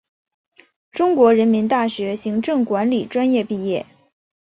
中国人民大学行政管理专业毕业。